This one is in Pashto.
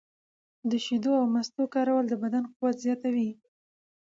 د شیدو او مستو کارول د بدن قوت زیاتوي.